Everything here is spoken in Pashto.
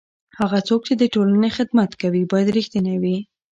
هغه څوک چې د ټولنې خدمت کوي باید رښتینی وي.